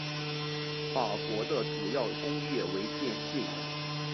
法国的主要工业为电信。